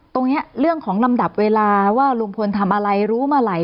ตรงนี้เรื่องของลำดับเวลาว่าลุงพลทำอะไรรู้มาอะไร